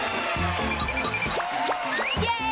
ช่วงตลอดตลอด